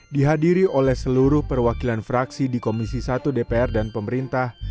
dihadiri oleh seluruh perwakilan fraksi di komisi satu dpr dan pemerintah